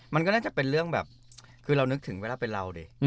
มันก็น่าจะเป็นเรื่องแบบคือเรานึกถึงเวลาเป็นเราดิ